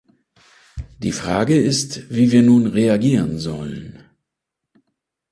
Die Frage ist, wie wir nun reagieren sollen.